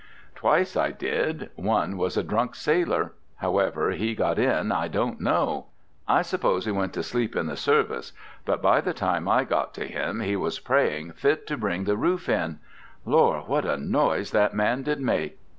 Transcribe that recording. "Twice I did. One was a drunk sailor; however he got in I don't know. I s'pose he went to sleep in the service, but by the time I got to him he was praying fit to bring the roof in. Lor'! what a noise that man did make!